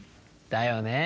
だよね。